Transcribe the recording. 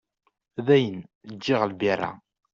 Dayen, ǧǧiɣ lbira.